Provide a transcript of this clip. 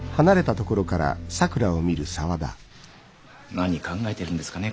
何考えてるんですかね？